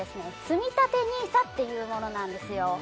つみたてＮＩＳＡっていうものなんですよ